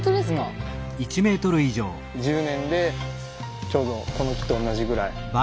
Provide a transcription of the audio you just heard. １０年でちょうどこの木と同じぐらい。